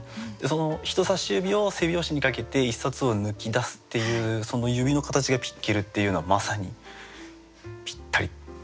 その人差し指を背表紙にかけて一冊を抜き出すっていうその指の形がピッケルっていうのはまさにぴったりです。